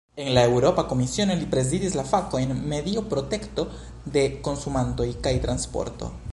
En la Eŭropa Komisiono, li prezidis la fakojn "medio, protekto de konsumantoj kaj transporto".